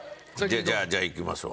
じゃあじゃあいきますわ。